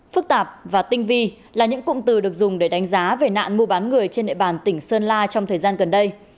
phức tạp và tinh vi là những cụm từ được dùng để đánh giá về nạn mua bán người trên địa bàn tỉnh sơn la trong thời gian gần đây